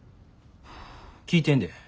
聞いてんで。